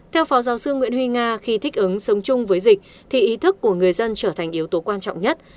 theo phó giáo sư nguyễn huy nga khi thích ứng sống chung với dịch thì ý thức của người dân trở thành yếu tố quan trọng nhất